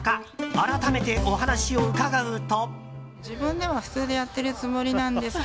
改めて、お話を伺うと。